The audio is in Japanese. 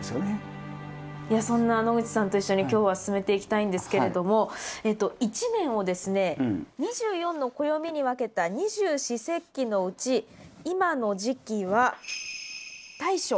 そんな野口さんと一緒に今日は進めていきたいんですけれども一年をですね２４の暦に分けた二十四節気のうち今の時期は大暑。